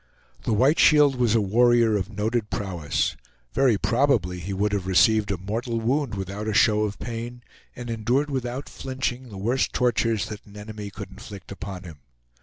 The White Shield was a warrior of noted prowess. Very probably, he would have received a mortal wound without a show of pain, and endured without flinching the worst tortures that an enemy could inflict upon him.